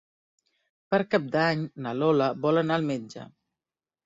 Per Cap d'Any na Lola vol anar al metge.